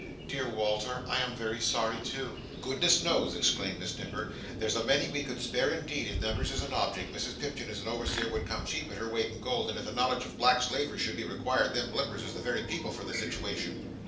Dear Walter, I am very sorry too." "Goodness knows," exclaimed Miss Nipper, "there's a many we could spare instead, if numbers is a object, Mrs Pipchin as a overseer would come cheap at her weight in gold, and if a knowledge of black slavery should be required, them Blimbers is the very people for the sitiwation."